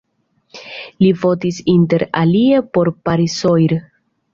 Li fotis inter alie por Paris-Soir.